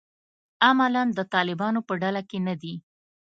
عملاً د طالبانو په ډله کې نه دي.